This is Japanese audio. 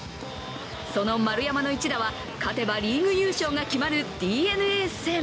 その丸山の一打は、勝てばリーグ優勝が決まるＤｅＮＡ戦。